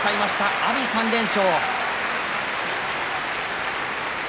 阿炎３連勝。